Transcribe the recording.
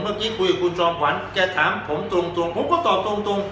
เมื่อกี้คุยกับคุณจอมขวัญจะถามผมตรงผมก็ตอบตรง